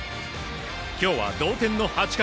今日は同点の８回。